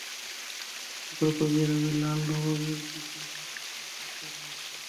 এরপরে কয়েকদিন, আমি লাল নবাবের দিকে না তাকানোর চেষ্টা করেছি।